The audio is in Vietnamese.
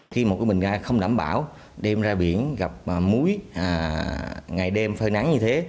khi một cái bình ga không đảm bảo đem ra biển gặp múi ngày đêm phơi nắng như thế